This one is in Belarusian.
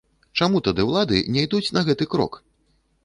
Чаму тады улады не ідуць на гэты крок?